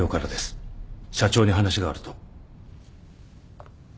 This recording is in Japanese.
社長に話があると。